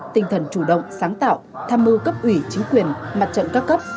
tinh thần chủ động sáng tạo tham mưu cấp ủy chính quyền mặt trận các cấp